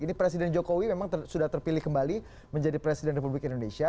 ini presiden jokowi memang sudah terpilih kembali menjadi presiden republik indonesia